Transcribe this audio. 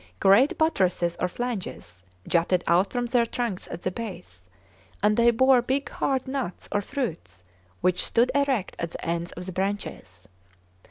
Great buttresses, or flanges, jutted out from their trunks at the base, and they bore big hard nuts or fruits which stood erect at the ends of the branches.